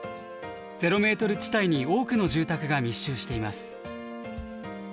ゼロメートル地帯に多くの住宅が密集しています。